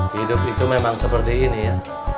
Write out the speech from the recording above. hidup itu memang seperti ini ya